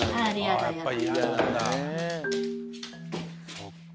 そっか。